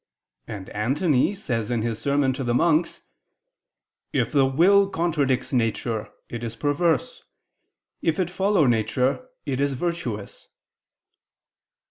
And Antony says in his sermon to the monks: "If the will contradicts nature it is perverse, if it follow nature it is virtuous."